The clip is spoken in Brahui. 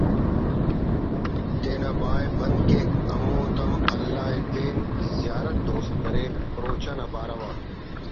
تینا باءِ بند کیک ہمو تم اللہ ءِ پین زیات دوست بریک…… روچہ نا بارو